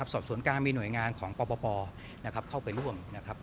สอบสนการมีหน่วยงานของปปปเข้าไปร่วม